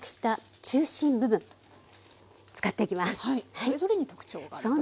それぞれに特徴があるということですね。